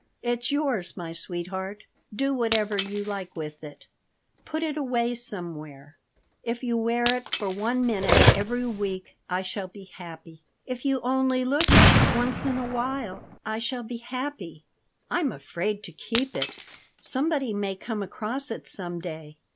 It's yours, my sweetheart. Do whatever you like with it. Put it away somewhere. If you wear it for one minute every week I shall be happy. If you only look at it once in a while I shall be happy." "I am afraid to keep it. Somebody may come across it some day.